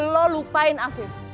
lo lupain aku